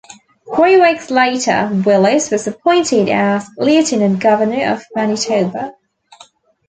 Three weeks later, Willis was appointed as Lieutenant Governor of Manitoba.